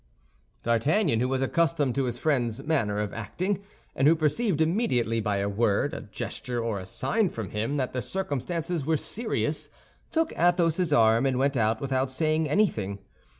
D'Artagnan, who was accustomed to his friend's manner of acting, and who perceived immediately, by a word, a gesture, or a sign from him, that the circumstances were serious, took Athos's arm, and went out without saying anything.